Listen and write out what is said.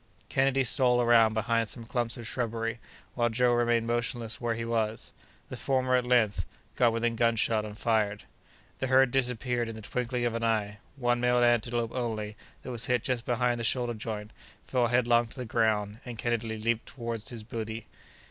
Kennedy stole around behind some clumps of shrubbery, while Joe remained motionless where he was. The former, at length, got within gunshot and fired. The herd disappeared in the twinkling of an eye; one male antelope only, that was hit just behind the shoulder joint, fell headlong to the ground, and Kennedy leaped toward his booty.